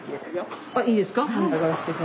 あいいですか？